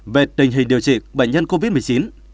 về tình hình điều trị bệnh nhân covid một mươi chín